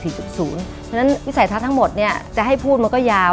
เพราะฉะนั้นวิสัยทัศน์ทั้งหมดจะให้พูดมันก็ยาว